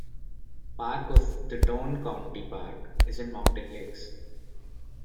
Part of The Tourne county park is in Mountain Lakes.